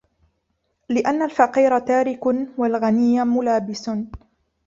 لِأَنَّ الْفَقِيرَ تَارِكٌ وَالْغَنِيَّ مُلَابِسٌ